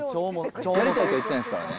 やりたいとは言ってないですからね。